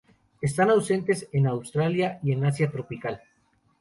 Están ausentes en Australia y en Asia tropical.